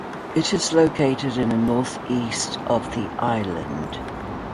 It is located in the north-east of the island.